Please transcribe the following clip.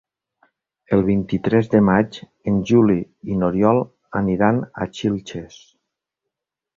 El vint-i-tres de maig en Juli i n'Oriol aniran a Xilxes.